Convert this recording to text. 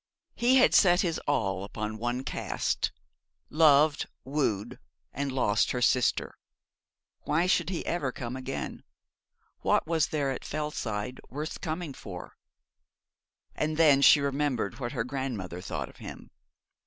He had set his all upon one cast loved, wooed, and lost her sister. Why should he ever come again? What was there at Fellside worth coming for? And then she remembered what her grandmother thought of him.